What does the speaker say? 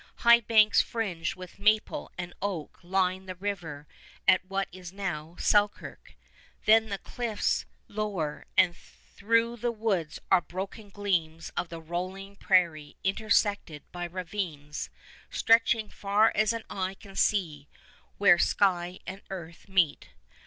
High banks fringed with maple and oak line the river at what is now Selkirk. Then the cliffs lower, and through the woods are broken gleams of the rolling prairie intersected by ravines, stretching far as eye can see, where sky and earth meet.